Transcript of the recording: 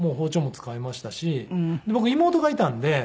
で僕妹がいたんで。